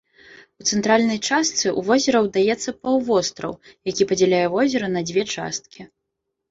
У цэнтральнай частцы ў возера удаецца паўвостраў, які падзяляе возера на дзве часткі.